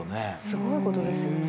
すごいことですよね。